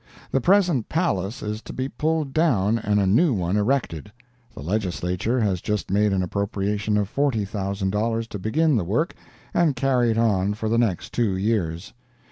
The present palace is to be pulled down and a new one erected. The Legislature has just made an appropriation of $40,000 to begin the work and carry it on for the next two years.